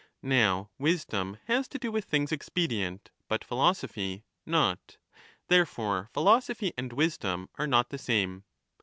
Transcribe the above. Now wisdom has to do with things expedient, but philosophy not. Therefore philosophy and wisdom are not the same.